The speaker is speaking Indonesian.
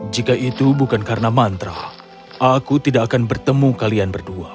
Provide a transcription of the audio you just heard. jika itu bukan karena mantra aku tidak akan bertemu kalian berdua